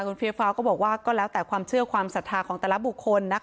คุณเฟียฟ้าก็บอกว่าก็แล้วแต่ความเชื่อความศรัทธาของแต่ละบุคคลนะคะ